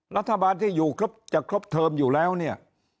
รัฐบาลที่อยู่ครบจะครบเทอมอยู่แล้วเนี่ย